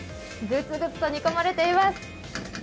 ぐつぐつと煮込まれています。